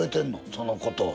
そのことを。